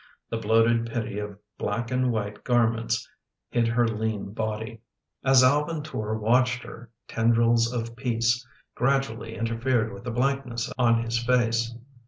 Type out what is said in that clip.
The bloated pity of black and white garments hid her lean body. As Alvin Tor watched her, tendrils of peace gradually interfered with the blankness on his face.